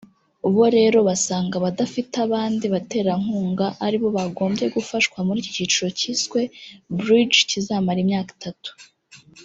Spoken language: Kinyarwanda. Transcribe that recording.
Bo rero basanga abadafite abandi baterankunga ari bo bagombye gufashwa muri iki cyiciro cyiswe “Bridge” kizamara imyaka itatu